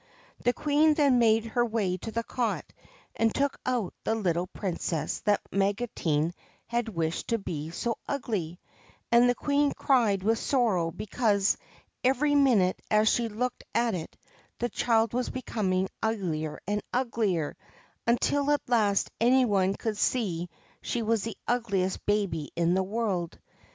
The Queen then made her way to the cot and took out the little 130 THE GREEN SERPENT Princess that Magotine had wished to be so ugly ; and the Queen cried with sorrow because, every minute as she looked at it, the child was becoming uglier and uglier, until at last any one could see she was the ugliest baby in the world.